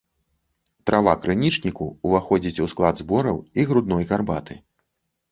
Трава крынічніку ўваходзіць у склад збораў і грудной гарбаты.